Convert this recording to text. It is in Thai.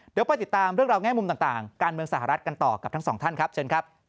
เดี๋ยวไปติดตามเรื่องราวแง่มุมต่างการเมืองสหรัฐกันต่อกับทั้งสองท่านครับเชิญครับ